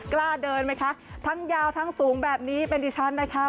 กล้าเดินไหมคะทั้งยาวทั้งสูงแบบนี้เป็นดิฉันนะคะ